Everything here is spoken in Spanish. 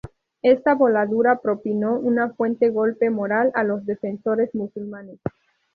Esta voladura propinó un fuerte golpe moral a los defensores musulmanes.